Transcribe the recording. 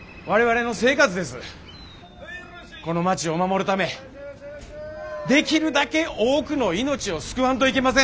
この町を守るためできるだけ多くの命を救わんといけません。